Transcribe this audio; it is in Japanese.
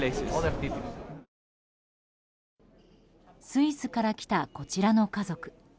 スイスから来たこちらの家族。